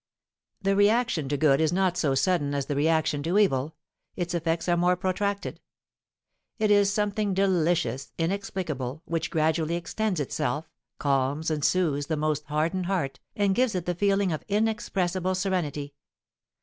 The reaction to good is not so sudden as the reaction to evil; its effects are more protracted. It is something delicious, inexplicable, which gradually extends itself, calms and soothes the most hardened heart, and gives it the feeling of inexpressible serenity.